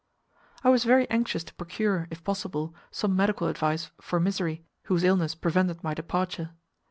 I was very anxious to procure, if possible, some medical advice for Mysseri, whose illness prevented my departure.